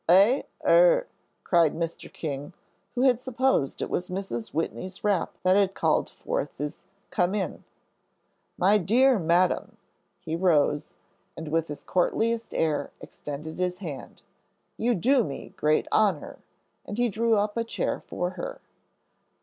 "Eh er " cried Mr. King, who had supposed it was Mrs. Whitney's rap that had called forth his "Come in." "My dear Madam," he rose, and with his courtliest air extended his hand, "you do me great honor," and he drew up a chair for her.